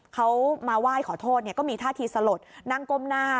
เขามาไหว้ขอโทษก็มีท่าทีสลดนั่งก้มหน้า